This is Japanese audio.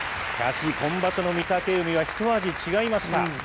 しかし今場所の御嶽海はひと味違いました。